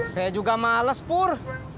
saya juga males pur